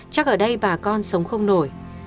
chắc ở đây bà con sống không nổi